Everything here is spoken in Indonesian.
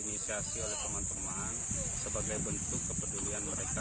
inisiasi oleh teman teman sebagai bentuk kepedulian mereka